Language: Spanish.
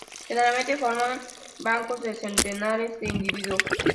Generalmente forman bancos de centenares de individuos.